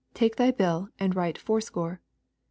Take thy bill, and write fourscore.